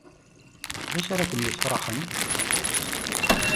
D acu ara kem-yesferḥen?